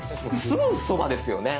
すぐそばですよね。